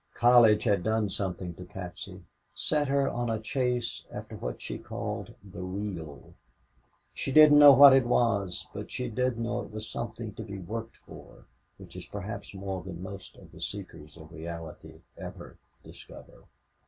College had done something to Patsy set her on a chase after what she called the "real." She didn't know what it was, but she did know it was something to be worked for which is perhaps more than most of the seekers of reality ever discover.